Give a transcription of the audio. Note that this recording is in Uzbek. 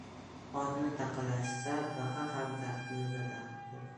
• Otni taqalashsa baqa ham kaftini uzatarkan.